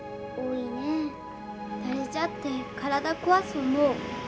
誰じゃって体こわす思う。